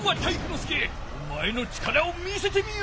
介おまえの力を見せてみよ！